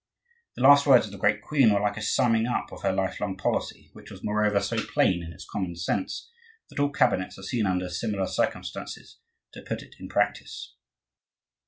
The last words of the great queen were like a summing up of her lifelong policy, which was, moreover, so plain in its common sense that all cabinets are seen under similar circumstances to put it in practice.